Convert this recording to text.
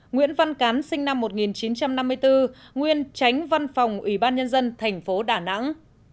nguyễn văn cán sinh năm một nghìn chín trăm năm mươi bốn nguyên tránh văn phòng ủy ban nhân dân thành phố đà nẵng